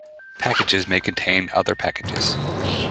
Packages may contain other packages.